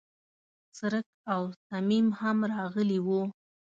څرک او صمیم هم راغلي و.